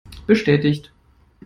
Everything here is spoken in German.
Bestätigt!